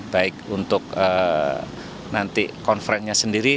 baik untuk nanti konferennya sendiri